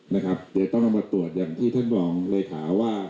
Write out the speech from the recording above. เดี๋ยวต้องมาตรวจอย่างที่เจ้าบอกเลขาว่า